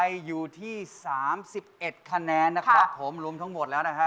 อยู่ที่๓๑คะแนนนะครับผมรวมทั้งหมดแล้วนะฮะ